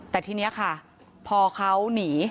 แต่ทีนี้ค่ะพอเขาหนี